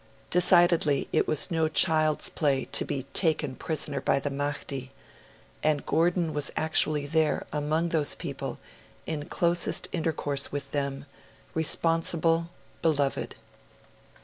Decidedly, it was no child's play to be 'taken prisoner by the Mahdi'. And Gordon was actually there, among those people, in closest intercourse with them, responsible, beloved.